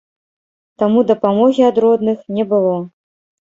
Таму дапамогі ад родных не было.